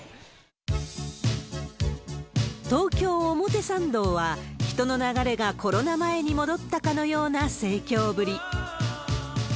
東京・表参道は、人の流れがコロナ前に戻ったかのような盛況ぶり。